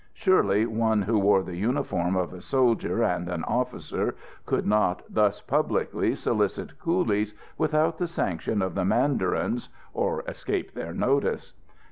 Surely one who wore the uniform of a soldier and an officer could not thus publicly solicit coolies without the sanction of the mandarins, or escape their notice.